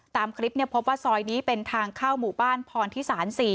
ตามคลิปพบว่าซอยนี้เป็นทางเข้าหมู่บ้านพรทิศาล๔